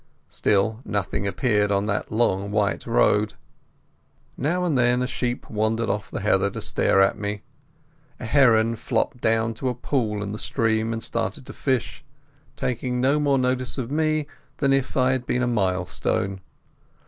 Still nothing appeared on that long white road. Now and then a sheep wandered off the heather to stare at me. A heron flopped down to a pool in the stream and started to fish, taking no more notice of me than if I had been a milestone.